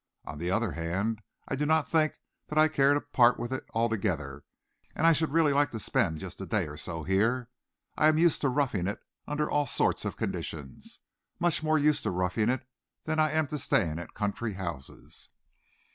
On the other hand, I do not think that I care to part with it altogether, and I should really like to spend just a day or so here. I am used to roughing it under all sorts of conditions much more used to roughing it than I am to staying at country houses." Mr.